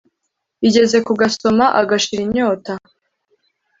yigeze kugasoma, agashira inyota.